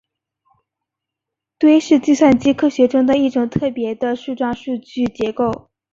堆是计算机科学中的一种特别的树状数据结构。